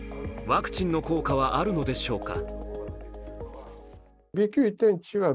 ワクチンの効果はあるのでしょうか。